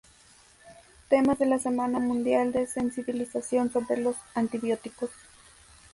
Temas de la Semana Mundial de Sensibilización sobre los Antibióticos